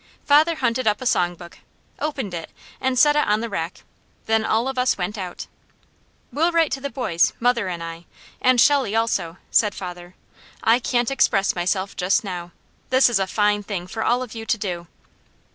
Father hunted up a song book, opened it and set it on the rack. Then all of us went out. "We'll write to the boys, mother and I, and Shelley also," said father. "I can't express myself just now. This is a fine thing for all of you to do."